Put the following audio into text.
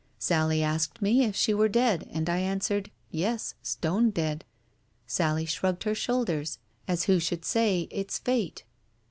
Sally asked me if she were dead, and I answered, yes, stone dead. Sally shrugged her shoulders, as who should say, It's fate.